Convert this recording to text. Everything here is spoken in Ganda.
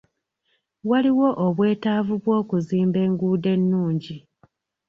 Waliwo obwetavu bw'okuzimba enguuddo ennungi.